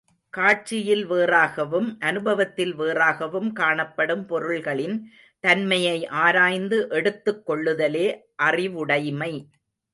காட்சியில் வேறாகவும் அனுபவத்தில் வேறாகவும் காணப்படும் பொருள்களின் தன்மையை ஆராய்ந்து எடுத்துக் கொள்ளுதலே அறிவுடைமை.